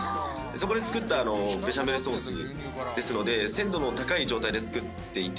そこで作ったベシャメルソースですので鮮度の高い状態で作っていて。